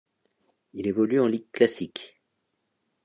Il évolue en Ligue Classic.